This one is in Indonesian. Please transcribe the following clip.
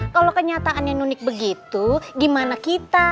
kalau kenyataannya unik begitu gimana kita